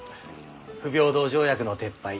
不平等条約の撤廃。